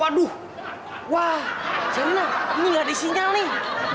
waduh wah senang ini gak disinyal nih